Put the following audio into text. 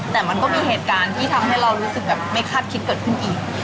แต่มันก็มีเหตุการณ์ที่ทำให้เรารู้สึกแบบไม่คาดคิดเกิดขึ้นอีก